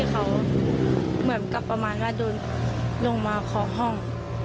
แบบกลับประมาณว่าโดนลงมาเคาะห้อง